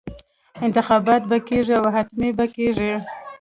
انتخابات به کېږي او حتمي به کېږي.